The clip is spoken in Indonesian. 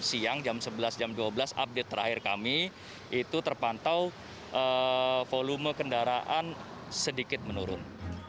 siang jam sebelas jam dua belas update terakhir kami itu terpantau volume kendaraan sedikit menurun